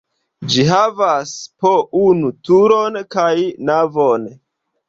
Ĝi havas po unu turon kaj navon.